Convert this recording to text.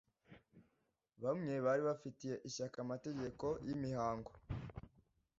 Bamwe bari bafitiye ishyaka amategeko y’imihango,